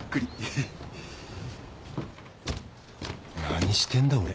何してんだ俺？